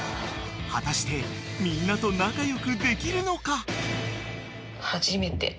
［果たしてみんなと仲良くできるのか］